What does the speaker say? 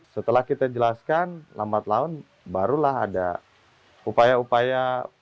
setelah kita jelaskan lambat laun barulah ada upaya upaya